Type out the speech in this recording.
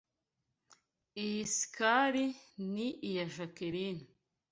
Iyi sikari ni iya Jacqueline.